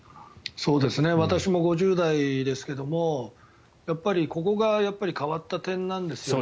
私も５０代ですけどもやっぱりここが変わった点なんですよね。